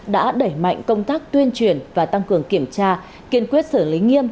đã đẩy mạnh công tác tuyên truyền và tăng cường kiểm tra kiên quyết xử lý nghiêm